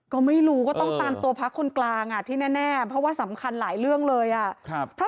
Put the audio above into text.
ก็ไม่รู้ก็ต้องตามตัวพักคนกลางที่แน่เพราะว่าสำคัญหลายเรื่องเลยอ่ะ